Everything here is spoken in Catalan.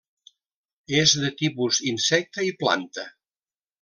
És de tipus insecte i planta.